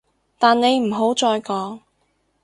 但你唔好再講